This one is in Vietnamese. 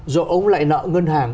rồi ông ấy lại nợ ngân hàng